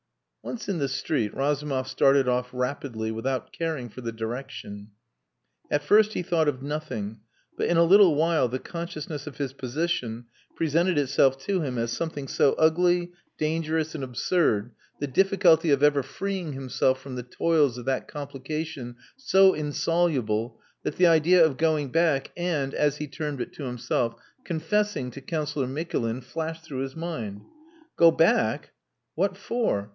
Once in the street, Razumov started off rapidly, without caring for the direction. At first he thought of nothing; but in a little while the consciousness of his position presented itself to him as something so ugly, dangerous, and absurd, the difficulty of ever freeing himself from the toils of that complication so insoluble, that the idea of going back and, as he termed it to himself, confessing to Councillor Mikulin flashed through his mind. Go back! What for?